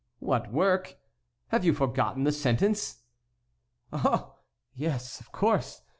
"What work? Have you forgotten the sentence?" "Ah! yes, of course!